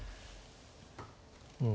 うん。